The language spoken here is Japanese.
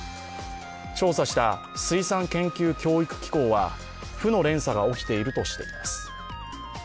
調査した水産研究教育機構は負の連鎖が起きているとしています。